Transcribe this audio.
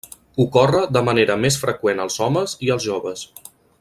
Ocorre de manera més freqüent als homes i als joves.